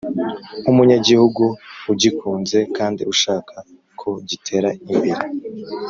nk’umunyagihugu ugikunze kandi ushaka ko gitera imbere.